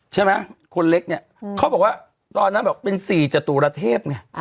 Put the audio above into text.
ใช่ไหมคนเล็กเนี่ยเขาบอกว่าตอนนั้นบอกเป็น๔จตุรเทพไง